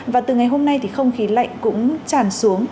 và từ ngày hôm nay thì không khí lạnh cũng tràn xuống